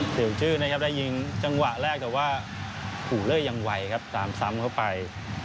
เสียวชื่อนะครับได้ยิงจังหวะแรกแต่ว่าหูเลอร์ยังไวครับตามซ้ำเข้าไป